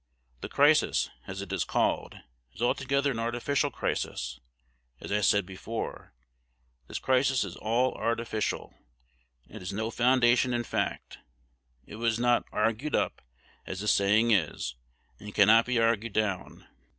The crisis, as it is called, is altogether an artificial crisis.... As I said before, this crisis is all artificial! It has no foundation in fact. It was not 'argued up,' as the saying is, and cannot be argued down.